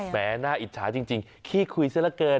แม่น่าอิจฉาจริงขี้คุยซะละเกิน